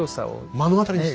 目の当たりにした。